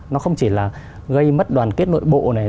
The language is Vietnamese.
nó không chỉ là gây mất đoàn kết nội bộ này